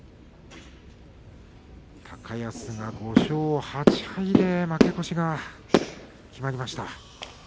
高安が５勝８敗で負け越しが決まりました。